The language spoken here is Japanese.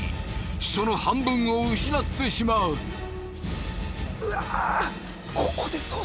その半分を失ってしまううわー